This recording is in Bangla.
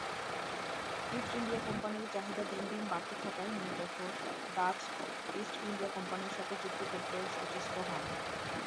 ইস্ট ইন্ডিয়া কোম্পানির চাহিদা দিন দিন বাড়তে থাকায় Mir Jafar Dutch East India কোম্পানির সাথে চুক্তি করতে সচেষ্ট হন।